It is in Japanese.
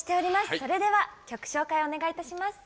それでは曲紹介お願いいたします。